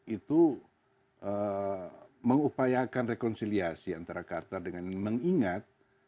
itu mengupayakan rekonsiliasi antara qatar dengan mengingat